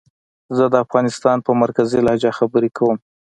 زه د افغانستان په مرکزي لهجه خبرې کووم